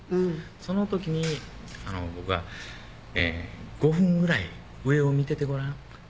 その時に僕が「５分ぐらい上を見ててごらん」